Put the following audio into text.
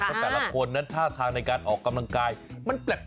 เพราะแต่ละคนนั้นท่าทางในการออกกำลังกายมันแปลก